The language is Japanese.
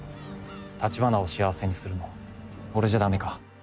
橘を幸せにするの俺じゃダメか？